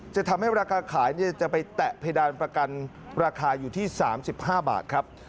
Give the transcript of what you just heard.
จะทำให้ราคาขายจะไปแตะเพดานประกันราคาอยู่ที่๓๕บาทครับ